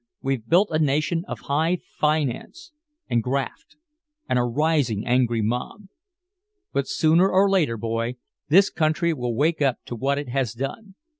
We've built a nation of high finance and graft and a rising angry mob. But sooner or later, boy, this country will wake up to what it has done.